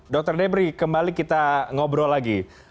dokter debre kembali kita ngobrol lagi